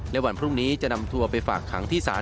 และวันพรุ่งนี้จะนำตัวไปฝากขังที่ศาล